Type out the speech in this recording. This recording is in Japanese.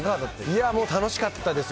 いやー、楽しかったですよ。